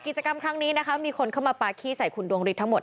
กิจกรรมครั้งนี้นะคะมีคนเข้ามาปาขี้ใส่คุณดวงฤทธิทั้งหมด